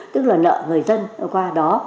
tức là nợ người dân vừa qua đó